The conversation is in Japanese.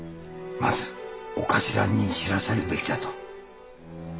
まずお頭に知らせるべきだと。